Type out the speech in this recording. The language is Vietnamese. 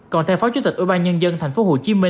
còn theo phó chủ tịch ủy ban nhân dân tp hcm